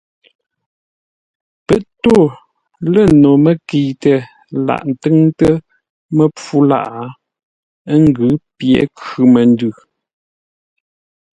Pə́ tô lə̂ no məkəitə laghʼ ńtʉ́ŋtə́ məpfû lâʼ; ə́ ngʉ́ pye khʉ̂ məndʉ.